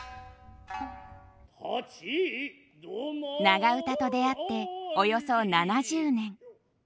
長唄と出会っておよそ７０年。